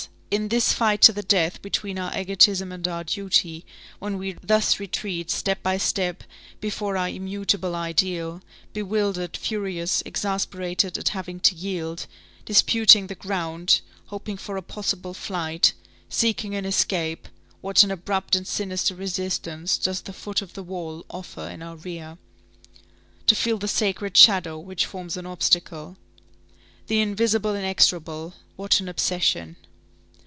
in this fight to the death between our egotism and our duty, when we thus retreat step by step before our immutable ideal, bewildered, furious, exasperated at having to yield, disputing the ground, hoping for a possible flight, seeking an escape, what an abrupt and sinister resistance does the foot of the wall offer in our rear! To feel the sacred shadow which forms an obstacle! The invisible inexorable, what an obsession!